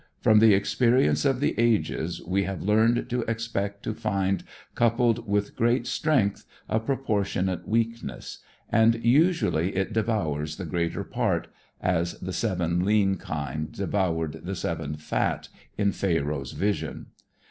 From the experience of the ages we have learned to expect to find, coupled with great strength, a proportionate weakness, and usually it devours the greater part, as the seven lean kine devoured the seven fat in Pharaoh's vision.